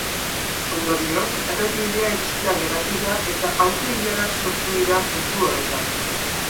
Ondorioz, errepidea itxita geratu da eta auto-ilarak sortu dira puntu horretan.